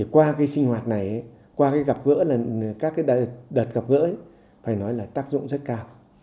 qua cái sinh hoạt này qua các đợt gặp gỡ phải nói là tác dụng rất cao